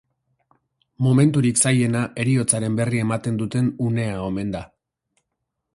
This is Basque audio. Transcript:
Momenturik zailena heriotzaren berri ematen duten unea omen da.